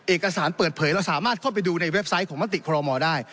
เอกสารเปิดเผยเราสามารถเข้าไปดูในเว็บไซต์ของมติคอรมอลได้